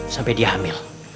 sampai dia hamil